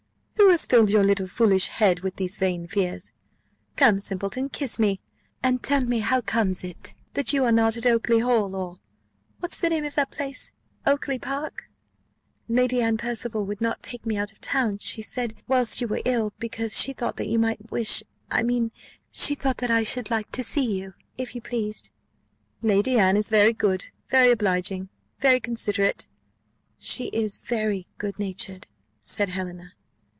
"Who has filled your little foolish head with these vain fears? Come, simpleton, kiss me, and tell me how comes it that you are not at Oakly hall, or What's the name of the place? Oakly park?" "Lady Anne Percival would not take me out of town, she said, whilst you were ill; because she thought that you might wish I mean she thought that I should like to see you if you pleased." "Lady Anne is very good very obliging very considerate." "She is very good natured," said Helena.